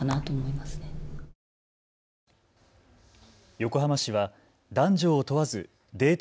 横浜市は男女を問わずデート